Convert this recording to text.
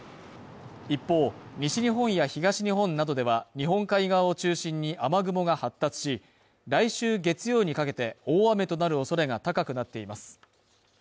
一方、西日本や東日本などでは日本海側を中心に雨雲が発達し来週月曜にかけて大雨となる恐れが高くなっています。